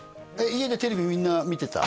家でテレビみんな見てた？